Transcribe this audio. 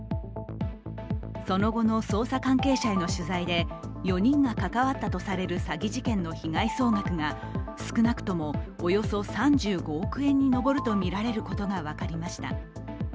その後の捜査関係者への取材で４人が関わったとされる詐欺事件の被害総額が、少なくともおよそ３５億円に上るとみられることが分かりました。